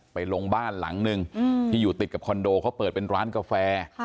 ไปลงบ้านหลังนึงที่อยู่ติดกับคอนโดเขาเปิดเป็นร้านกาแฟ